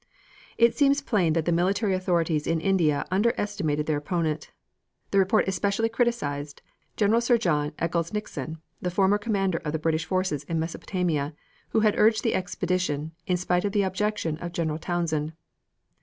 It seems plain that the military authorities in India under estimated their opponent. The report especially criticized General Sir John Eccles Nixon, the former commander of the British forces in Mesopotamia, who had urged the expedition, in spite of the objection of General Townshend.